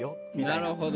なるほど。